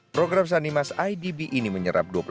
program sanimas idb ini menyerap